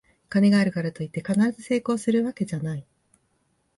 金があるからといって必ず成功するわけじゃない